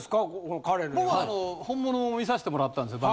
僕はあの本物を見させてもらったんですよ